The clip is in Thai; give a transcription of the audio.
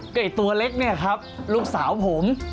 ไก่ตัวเล็กเนี่ยครับลูกสาวผม